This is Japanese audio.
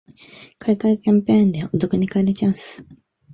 買い換えキャンペーンでお得に買えるチャンス